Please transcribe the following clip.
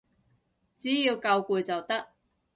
只要夠攰就得